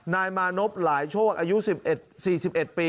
นายมานพหลายโชคอายุ๔๑ปี